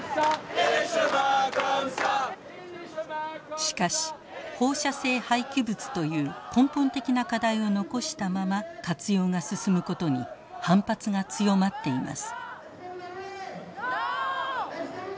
しかし放射性廃棄物という根本的な課題を残したまま活用が進むことに反発が強まっています。